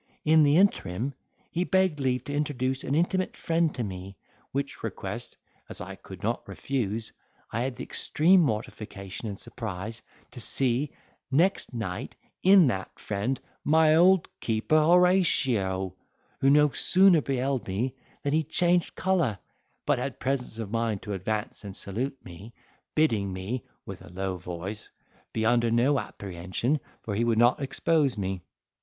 In the interim, he begged leave to introduce an intimate friend to me, which request, as I could not refuse, I had the extreme mortification and surprise to see, next night, in that friend, my old keeper Horatio, who no sooner beheld me than he changed colour, but had presence of mind to advance and salute me, bidding me (with a low voice) be under no apprehension, for he would not expose me.